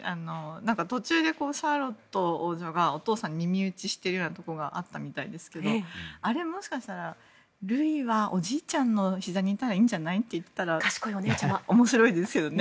途中でシャーロット王女がお父さんに耳打ちしているようなところがあったみたいですけどもしかしたら、ルイはおじいちゃんのひざにいたらいいんじゃない？って言ってたら面白いですよね。